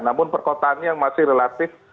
namun perkotaannya masih relatif